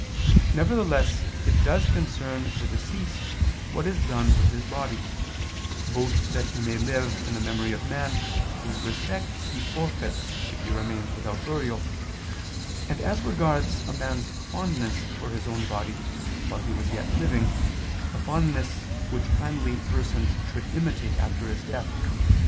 Nevertheless it does concern the deceased what is done with his body: both that he may live in the memory of man whose respect he forfeits if he remain without burial, and as regards a man's fondness for his own body while he was yet living, a fondness which kindly persons should imitate after his death.